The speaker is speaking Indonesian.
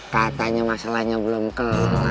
katanya masalahnya belum ke